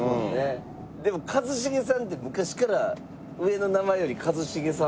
でも一茂さんって昔から上の名前より一茂さん